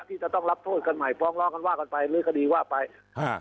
ที่จะต้องรับโทษกันใหม่ฟ้องร้องกันว่ากันไปหรือคดีว่าไปอ่า